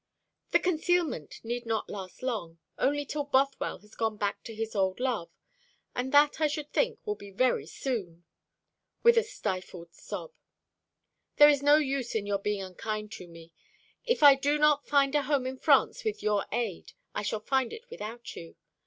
"The concealment need not last long only till Bothwell has gone back to his old love; and that I should think will be very soon," with a stifled sob. "There is no use in your being unkind to me. If I do not find a home in France with your aid, I shall find it without you.